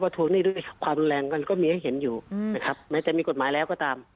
ทวงหนี้ด้วยความรุนแรงกันก็มีให้เห็นอยู่นะครับแม้จะมีกฎหมายแล้วก็ตาม